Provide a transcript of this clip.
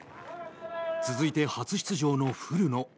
続いて初出場の古野。